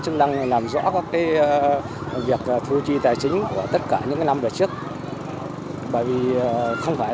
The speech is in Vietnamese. tôi muốn hỏi có hay không